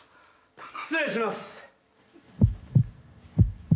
・失礼します。